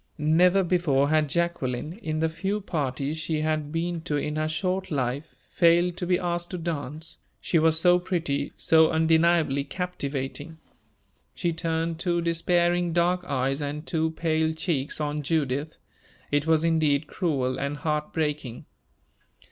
Never before had Jacqueline, in the few parties she had been to in her short life, failed to be asked to dance she was so pretty, so undeniably captivating. She turned two despairing dark eyes and two pale cheeks on Judith. It was indeed cruel and heart breaking.